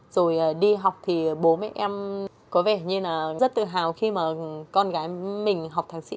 rồi đi học thì bố mẹ em có vẻ như là rất tự hào khi mà con gái mình học thạc sĩ